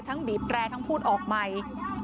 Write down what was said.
ทั้งบีบแรงทั้งพูดออกใหม่